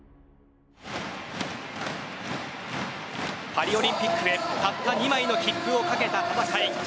パリオリンピックでたった２枚の切符を懸けた戦い。